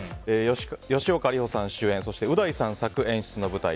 吉岡里帆さん主演そして、う大さん作・演出の舞台